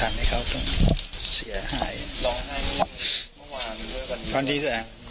ไม่เห็นหัวฉันได้ได้